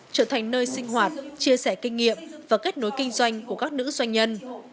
trở thành nơi sinh hoạt chia sẻ kinh nghiệm và kết nối kinh doanh của các nữ doanh nhân